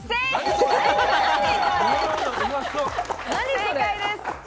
正解です。